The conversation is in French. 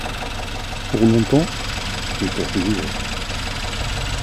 Pour longtemps ? Mais pour toujours.